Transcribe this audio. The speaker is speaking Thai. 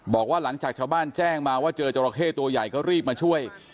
บอกว่าหลังจากชาวบ้านแจ้งมาว่าเจอจราเข้ตัวใหญ่ก็รีบมาช่วย